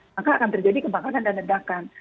maka akan terjadi kebakaran dan ledakan